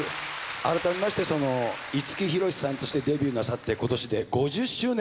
改めまして五木ひろしさんとしてデビューなさって今年で５０周年。